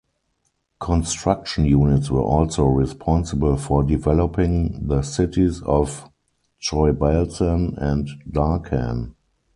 Construction units were also responsible for developing the cities of Choibalsan and Darkhan.